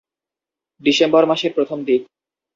December মাসের প্রথম দিক।